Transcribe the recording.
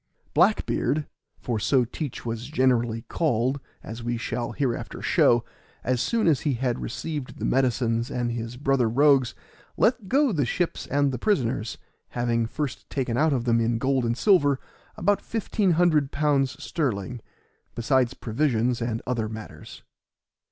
Black beard (for so Teach was generally called, as we shall hereafter show), as soon as he had received the medicines and his brother rogues, let go the ships and the prisoners, having first taken out of them in gold and silver about £1,500 sterling, besides provisions and other matters.